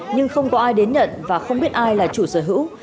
nhưng không có ai đến nhận và không biết ai là chủ sở hữu